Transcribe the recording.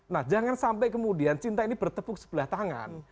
nah jangan sampai kemudian cinta ini bertepuk sebelah tangan